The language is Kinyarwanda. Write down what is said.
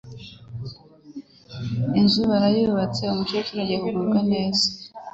inzu barayubatse umukecuru agiye kugubwa neza,